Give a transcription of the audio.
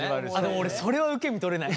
でも俺それは受け身取れない。